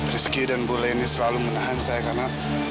rizky dan bu leni selalu menahan saya karena